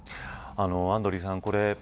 アンドリーさん。